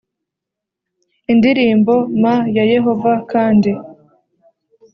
Indirimbom ya yehova kandi